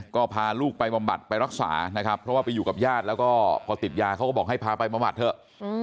ก็พาลูกไปบำบัดไปรักษานะครับเพราะว่าไปอยู่กับญาติแล้วก็พอติดยาเขาก็บอกให้พาไปบำบัดเถอะ